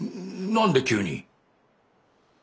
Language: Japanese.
何で急に！？